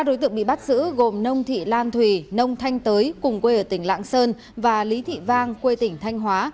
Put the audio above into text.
ba đối tượng bị bắt giữ gồm nông thị lan thùy nông thanh tới cùng quê ở tỉnh lạng sơn và lý thị vang quê tỉnh thanh hóa